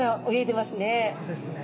そうですね。